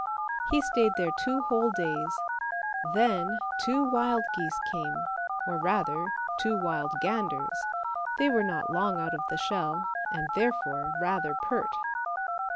He stayed there two whole days, then two wild geese came, or rather two wild ganders, they were not long out of the shell, and therefore rather pert.